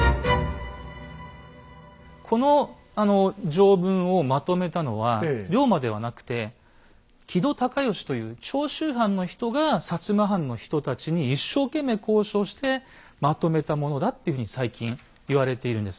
この条文をまとめたのは龍馬ではなくて木戸孝允という長州藩の人が摩藩の人たちに一生懸命交渉してまとめたものだというふうに最近言われているんです。